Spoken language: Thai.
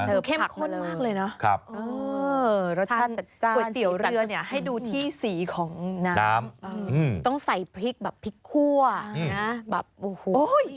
เข้มข้นมากเลยน่ะครับเออรสชาติจัดจ้านดูที่สีของน้ำต้องใส่พริกแบบพริกคั่วอืมนะแบบโอ้โห